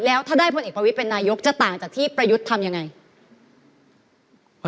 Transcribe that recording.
แล้วถ้าได้พลเอกประวิทย์เป็นนายกจะต่างจากที่ประยุทธ์ทำยังไง